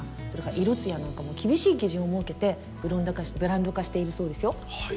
それから色艶なんかも厳しい基準を設けてブランド化しているそうですよ。